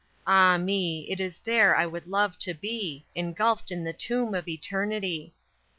Ah, me! It is there I would love to be Engulfed in the tomb of eternity!